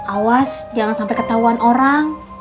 awas jangan sampai ketahuan orang